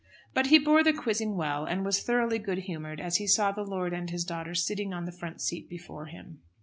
But he bore the quizzing well, and was thoroughly good humoured as he saw the lord and his daughter sitting on the front seat before him.